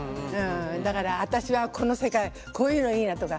だから、私は、この世界こういうのいいなとか。